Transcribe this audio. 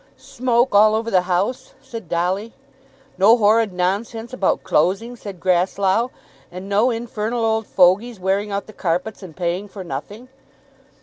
"Smoke all over the house!" said Dolly. "No horrid nonsense about closing," said Grasslough, "and no infernal old fogies wearing out the carpets and paying for nothing."